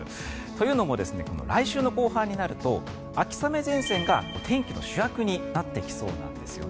というのも来週の後半になると秋雨前線が天気の主役になってきそうなんです。